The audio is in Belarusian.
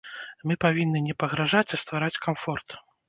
Мы павінны не пагражаць, а ствараць камфорт.